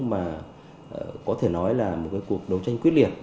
mà có thể nói là một cuộc đấu tranh quyết liệt